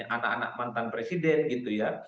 anak anak mantan presiden gitu ya